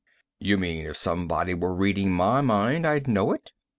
"You mean, if somebody were reading my mind, I'd know it?"